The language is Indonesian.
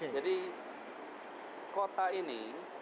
jadi kota ini